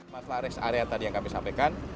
masalah rest area tadi yang kami sampaikan